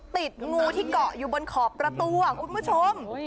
ติดงูที่เกาะอยู่บนขอบประตูคุณผู้ชม